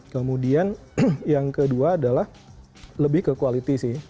kemudian yang kedua adalah lebih ke quality sih